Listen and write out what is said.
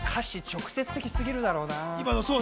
歌詞が直接的すぎるだろうな。